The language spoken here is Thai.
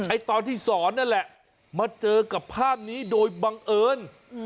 ตอนที่สอนนั่นแหละมาเจอกับภาพนี้โดยบังเอิญ